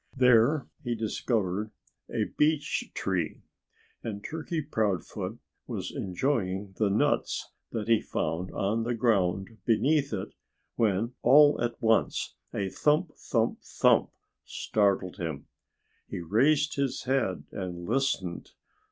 There he discovered a beech tree. And Turkey Proudfoot was enjoying the nuts that he found on the ground beneath it when all at once a thump thump thump startled him. He raised his head and listened.